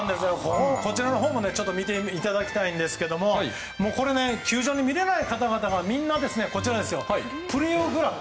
こちらのほうも見ていただきたいんですが球場で見れない方々が、みんなプレヨグラフ。